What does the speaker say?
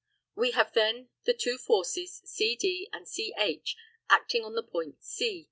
We have then the two forces CD and CH acting on the point C.